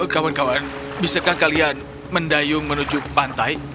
kawan kawan bisakah kalian mendayung menuju pantai